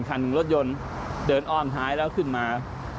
คันหนึ่งรถยนต์เดินอ้อมท้ายแล้วขึ้นมา